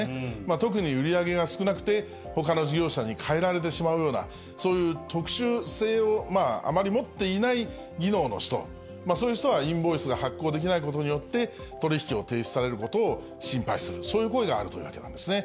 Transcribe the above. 特に売り上げが少なくて、ほかの事業者に変えられてしまうような、そういう特殊性をあまり持っていない技能の人、そういう人はインボイスが発行できないことによって、取り引きを停止されることを心配する、そういう声があるというわけなんですね。